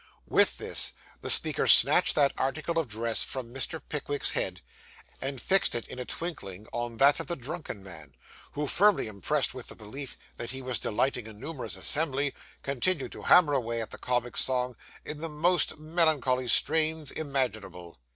With this, the speaker snatched that article of dress from Mr. Pickwick's head, and fixed it in a twinkling on that of the drunken man, who, firmly impressed with the belief that he was delighting a numerous assembly, continued to hammer away at the comic song in the most melancholy strains imaginable.